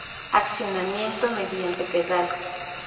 Accionamiento mediante pedal.